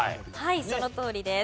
はいそのとおりです。